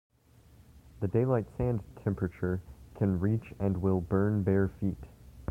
The daylight sand temperature can reach and will burn bare feet.